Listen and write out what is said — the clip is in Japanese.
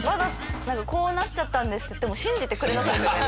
こうなっちゃったんですって言っても信じてくれなさそうですよね